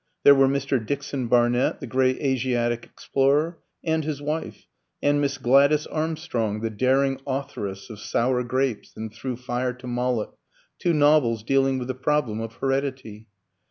There were Mr. Dixon Barnett, the great Asiatic explorer, and his wife; and Miss Gladys Armstrong, the daring authoress of "Sour Grapes" and "Through Fire to Moloch," two novels dealing with the problem of heredity.